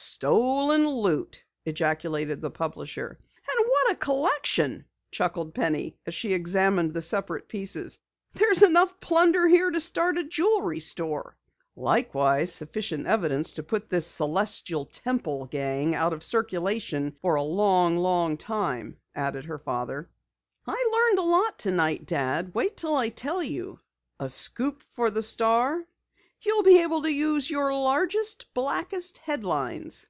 "Stolen loot!" ejaculated the publisher. "And what a collection!" chuckled Penny as she examined the separate pieces. "There's enough plunder here to start a jewelry store." "Likewise sufficient evidence to put this Celestial Temple gang out of circulation for a long, long time," added her father. "I learned a lot tonight, Dad. Wait until I tell you!" "A scoop for the Star?" "You'll be able to use your largest, blackest headlines."